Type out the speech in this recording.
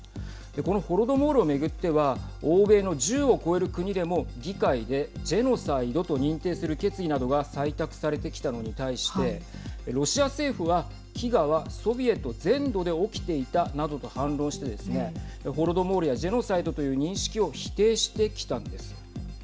このホロドモールを巡っては欧米の１０を超える国でも議会でジェノサイドと認定する決議などが採択されてきたのに対してロシア政府は飢餓はソビエト全土で起きていたなどと反論してですねホロドモールやジェノサイドという認識を否定してきたんです。